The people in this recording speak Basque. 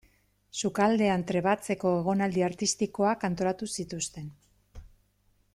Sukaldean trebatzeko egonaldi artistikoak antolatu zituzten.